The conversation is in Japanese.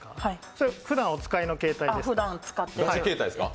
それはふだんお使いの携帯ですか？